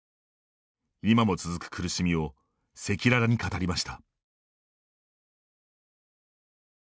今も続く苦しみを赤裸々に語りました。